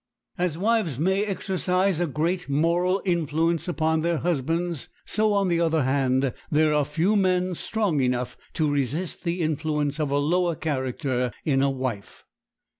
As wives may exercise a great moral influence upon their husbands, so, on the other hand, there are few men strong enough to resist the influence of a lower character in a wife.